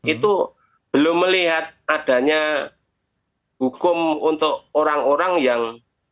itu belum melihat adanya hukum untuk orang orang yang